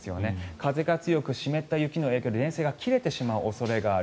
風が強く湿った雪の影響で電線が切れてしまう恐れがある。